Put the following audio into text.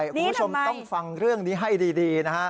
คุณผู้ชมต้องฟังเรื่องนี้ให้ดีนะฮะ